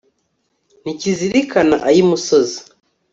ntikizirikana ay'imusozi